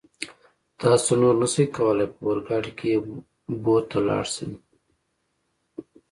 تاسو نور نشئ کولای په اورګاډي کې بو ته لاړ شئ.